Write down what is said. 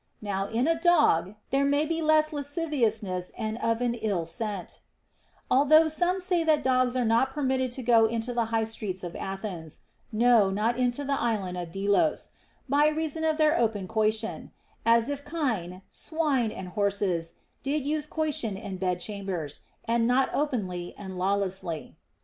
Now in a dog there may be less of lasciviousness and of an ill scent ; although some say that dogs are not permitted to go into the high streets of Athens — no, not into the island Delos — by reason of their open coition ; as if kine, swine, and horses did use coition in bed chambers, and not openly and law lessly.